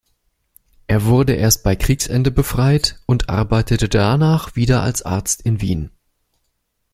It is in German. Er wurde erst bei Kriegsende befreit und arbeitete danach wieder als Arzt in Wien.